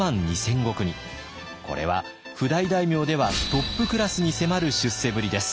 これは譜代大名ではトップクラスに迫る出世ぶりです。